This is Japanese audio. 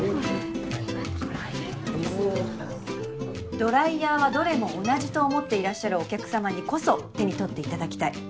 ドライヤーはどれも同じと思っていらっしゃるお客様にこそ手に取っていただきたい。